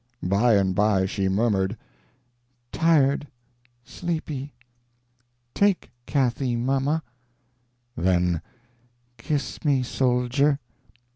By and by she murmured, "Tired ... sleepy ... take Cathy, mamma." Then, "Kiss me, Soldier."